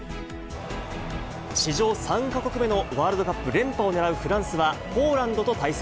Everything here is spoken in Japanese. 史上３か国目のワールドカップ連覇を狙うフランスは、ポーランドと対戦。